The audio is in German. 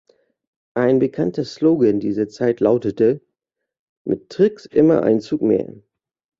Ein bekannter Slogan dieser Zeit lautete „mit Trix immer ein Zug mehr“.